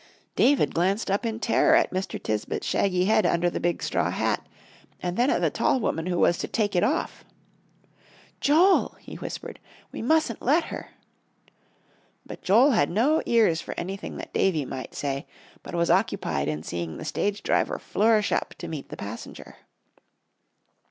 David glanced up in terror at Mr. Tisbett's shaggy head under the big straw hat, and then at the tall woman who was to take it off. "Joel," he whispered, "we mustn't let her." But Joel had no ears for anything that Davie might say, but was occupied in seeing the stage driver flourish up to meet the passenger.